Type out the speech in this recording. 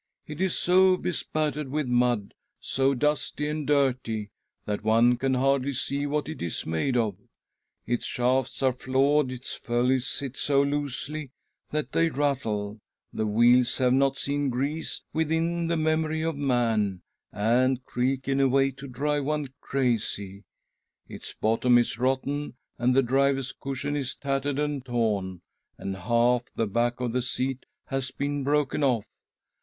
It is so bespattered with mud, so dusty and dirty, that one can hardly see what it is made of. Its shafts are flawed, its fellies sit so loosely that they rattle, the wheels have not seen grease within the memory of man, and creak in a way to drive one crazy. Its bottom is rotten, and the driver's cushion is tattered and torn, and half : the back of the seat has been broken off.